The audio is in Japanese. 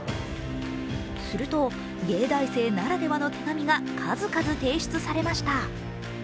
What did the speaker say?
すると芸大生ならではの手紙が数々提出されました。